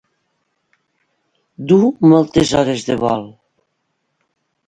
Dur moltes hores de vol.